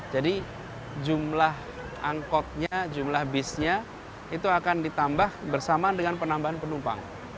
jadi jumlah angkotnya jumlah bisnya itu akan ditambah bersamaan dengan penambahan penumpangnya